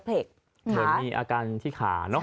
เหมือนมีอาการที่ขาเนอะ